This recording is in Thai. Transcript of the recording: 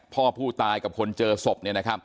พ่อผู้ตายกับคนเจอศพ